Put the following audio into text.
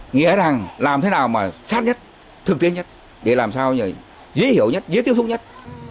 nghĩa rằng làm thế nào mà sát nhất thực tiên nhất để làm sao giới hiểu nhất giới tiếp xúc nhất